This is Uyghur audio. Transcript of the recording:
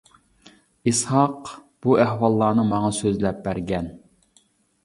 ئىسھاق بۇ ئەھۋاللارنى ماڭا سۆزلەپ بەرگەن.